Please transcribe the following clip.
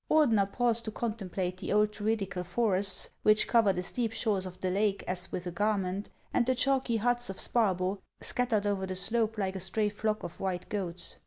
Ordener paused to contemplate the old Druidical forests, which cover the steep shores of the lake as with a gar ment, and the chalky huts of Sparbo, scattered over the slope like a stray flock of white goats.